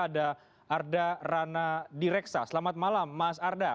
ada arda rana direksa selamat malam mas arda